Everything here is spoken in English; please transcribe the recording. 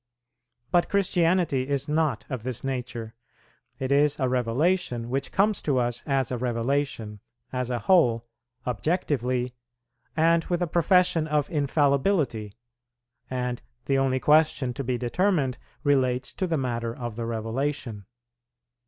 But Christianity is not of this nature: it is a revelation which comes to us as a revelation, as a whole, objectively, and with a profession of infallibility; and the only question to be determined relates to the matter of the revelation.